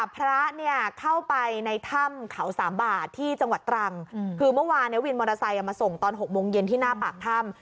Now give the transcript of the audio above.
พระเนี่ยเข้าไปในถ้ำเขาสามบาทที่จังหวัดตรังคือเมื่อวานวินมอเตอร์ไซค์มาส่งตอน๖โมงเย็นที่หน้าปากถ้ำ